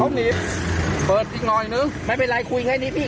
ผมหนีเปิดอีกหน่อยนึงไม่เป็นไรคุยแค่นี้พี่